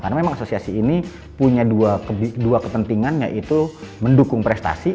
karena memang asosiasi ini punya dua ketentingannya itu mendukung prestasi